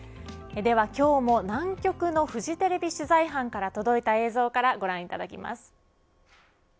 では今日も南極のフジテレビ取材班から届いた映像からご覧いただきます。